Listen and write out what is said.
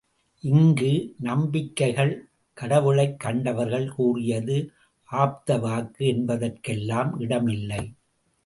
இங்கு நம்பிக்கைகள், கடவுளைக் கண்டவர்கள் கூறியது, ஆப்த வாக்கு என்பதற்கெல்லாம் இடம் இல்லை.